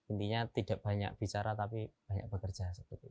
intinya tidak banyak bicara tapi banyak bekerja